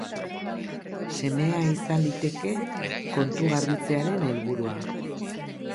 Semea izan liteke kontu-garbitzearen helburua.